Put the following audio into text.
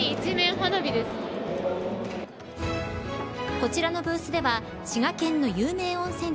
こちらのブースでは滋賀県の有名温泉地